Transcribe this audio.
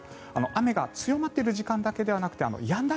雨が強まっている時間だけではなくてやんだ